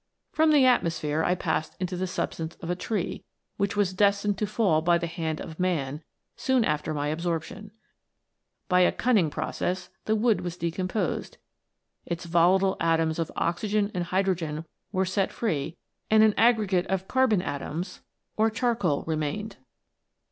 "From the atmosphere I passed into the substance of a tree, which was destined to fall by the hand of man soon after my absorption. By a cunning pro cess the wood was decomposed ; its volatile atoms of oxygen and hydrogen were set free, and an ag gregate of carbon atoms* remained.